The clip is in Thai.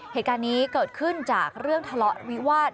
เหตุการณ์นี้เกิดขึ้นจากเรื่องทะเลาะวิวาส